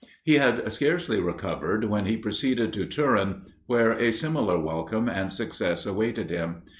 He had scarcely recovered when he proceeded to Turin, where a similar welcome and success awaited him.